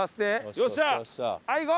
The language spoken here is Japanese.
よっしゃー！